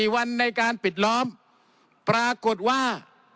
๔วันในการปิดล้อมปรากฏว่า